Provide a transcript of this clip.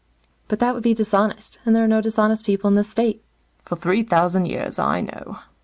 "But that would be dishonest. And there are no dishonest people in the State." "For three thousand years. I know."